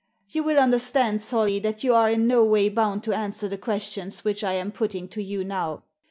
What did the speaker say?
"You will understand, Solly, that you are in no way bound to answer the questions which I am putting to you now.